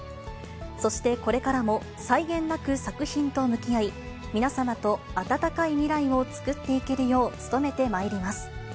そして、これからも際限なく作品と向き合い、皆様と温かい未来を作っていけるよう努めてまいります。